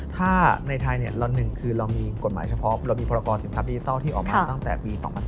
ถ้าในไทยหนึ่งคือเรามีกฎหมายเฉพาะเรามีพรกรสินทรัพดิจิทัลที่ออกมาตั้งแต่ปี๒๕๕๙